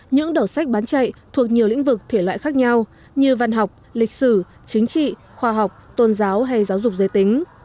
những đầu sách bán chạy thuộc nhiều lĩnh vực thể loại khác nhau như văn học lịch sử chính trị khoa học tôn giáo hay giáo dục giới tính